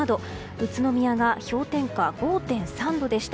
宇都宮が氷点下５．３度でした。